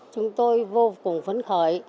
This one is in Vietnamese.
chúng tôi vô cùng phấn khởi